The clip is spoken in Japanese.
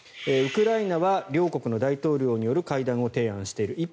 ウクライナは両国の大統領による会談を提案している。